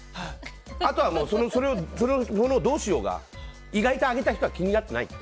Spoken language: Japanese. あとはその物をどうしようが意外とあげた人は気になっていないって。